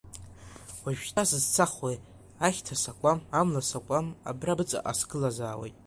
Уажәшьҭа сызцахуеи, ахьҭа сакуам, амла сакуам, абра быҵаҟа сгылазаауеит.